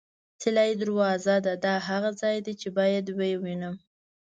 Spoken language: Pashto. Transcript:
طلایي دروازه ده، دا هغه ځای دی چې باید یې ووینم.